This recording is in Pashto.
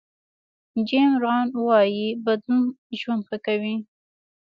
جیم ران وایي بدلون ژوند ښه کوي.